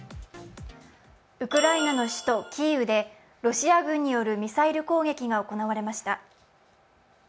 ウクライナの首都キーウでロシア軍によるミサイル攻撃が行われました。